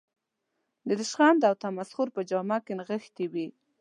د رشخند او تمسخر په جامه کې نغښتې وي.